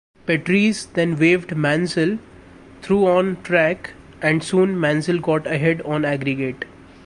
Patrese then waved Mansell through on track and soon Mansell got ahead on aggregate.